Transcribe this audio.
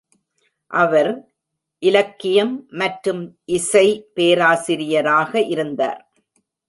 அவர், இலக்கியம் மற்றும் இசை பேராசிரியராக இருந்தார்.